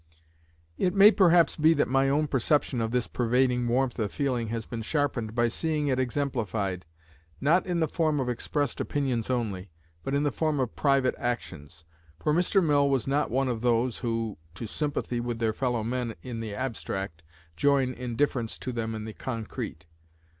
It may perhaps be that my own perception of this pervading warmth of feeling has been sharpened by seeing it exemplified, not in the form of expressed opinions only, but in the form of private actions, for Mr. Mill was not one of those, who, to sympathy with their fellow men in the abstract, join indifference to them in the concrete.